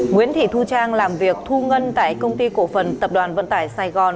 nguyễn thị thu trang làm việc thu ngân tại công ty cổ phần tập đoàn vận tải sài gòn